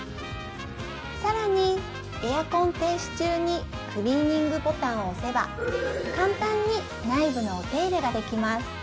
更にエアコン停止中にクリーニングボタンを押せば簡単に内部のお手入れができます